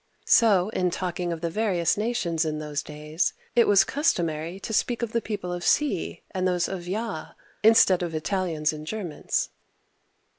So, in talking of the various nations in those days, it was customary to speak of the people of si, and of those of ja, instead of Italians and Germans.